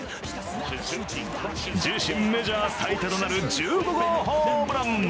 自身メジャー最多となる１５号ホームラン。